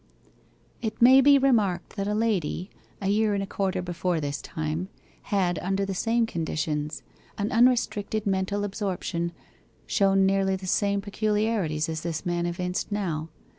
It may be remarked that a lady, a year and a quarter before this time, had, under the same conditions an unrestricted mental absorption shown nearly the same peculiarities as this man evinced now.